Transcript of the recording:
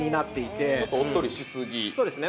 そうですね